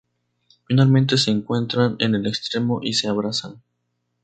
Finalmente se encuentran en el extremo y se abrazan.